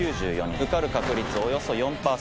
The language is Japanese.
受かる確率およそ４％。